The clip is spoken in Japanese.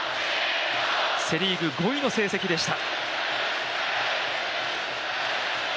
セ・リーグ５位の成績でした。